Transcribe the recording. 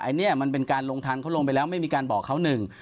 อันนี้มันเป็นการลงทันเขาลงไปแล้วไม่มีการบอกเขาหนึ่ง